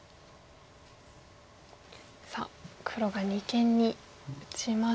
さあ黒が二間に打ちまして。